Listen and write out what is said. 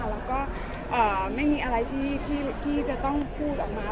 แล้วก็ไม่มีอะไรที่จะต้องพูดออกมา